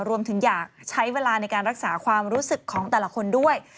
อยากใช้เวลาในการรักษาความรู้สึกของแต่ละคนด้วย